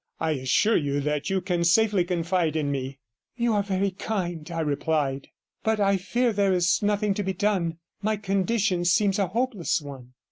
I assure you that you can safely confide in me.' 'You are very kind,' I replied. 'But I fear there is nothing to be done. My condition seems a hopeless one.'